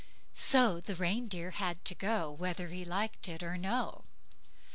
So the reindeer had to go whether he liked it or no.